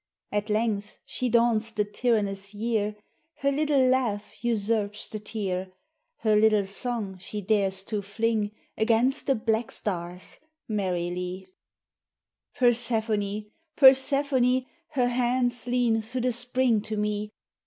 At length she daunts the tyrannous year, Her little laugh usurps the tear, Her little song she dares to fling Against the black stars, merrily. Persephone, Persephone her hands lean through the spring to me.